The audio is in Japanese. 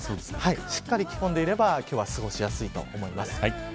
しっかり着込んでいれば今日は過ごしやすいと思います。